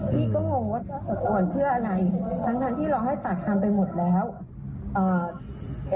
พี่ก็งงว่าถ้าสะโกนเพื่ออะไรตรงทางที่เราให้ตัดทันไปหมดแล้วอ่า